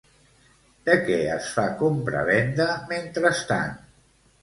De què es fa compravenda, mentrestant?